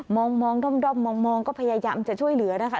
มองด้อมมองก็พยายามจะช่วยเหลือนะคะ